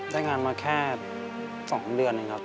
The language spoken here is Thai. ได้งานมาแค่๒เดือนเองครับ